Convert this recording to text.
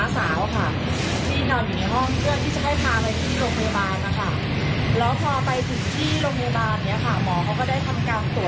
ซึ่งที่มีถ่ายจำเป็นภารกิจด้วย